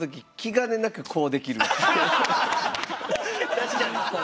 確かに！